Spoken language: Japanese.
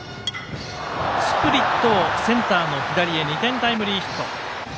スプリットをセンターの左へ２点タイムリーヒット。